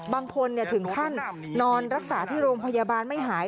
บางคนถึงขั้นนอนรักษาที่โรงพยาบาลไม่หาย